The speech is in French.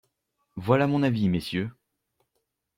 Voilà mon avis, Messieurs!